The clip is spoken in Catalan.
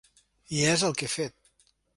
I és el que he fet.